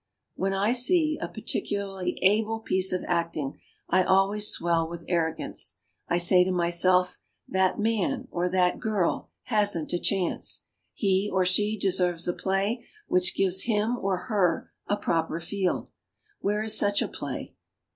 When I see a particularly able piece of acting I always swell with ar rogance. I say to myself : "That man, or that girl, hasn't a chance. He, or she, deserves a play which gives him, or her, a proper field. Where is such a play?"